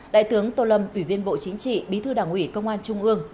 đại tướng tô lâm ủy viên bộ chính trị bí thư đảng ủy công an trung ương